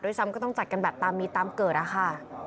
ด้วยซ้ำก็ต้องจัดกันแบบตามนี้ตามเกิดค่ะ